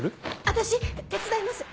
私手伝います。